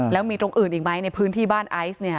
แล้วมีตรงอื่นอีกไหมในพื้นที่บ้านไอซ์เนี่ย